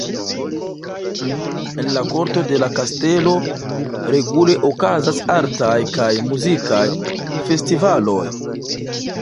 En la korto de la kastelo regule okazas artaj kaj muzikaj festivaloj.